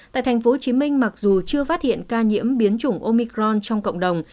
tại tp hcm mặc dù chưa phát hiện ca nhiễm biến chủng omicron trong cộng đồng